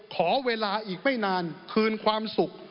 ขอเวลาอีกไม่นานคืนความสุข